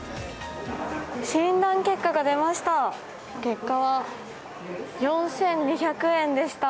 診断結果が出ました。